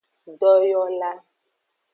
Doyola.